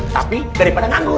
tapi daripada anggur